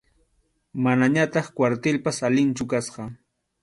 Manañataq kwartilpas alinchu kasqa.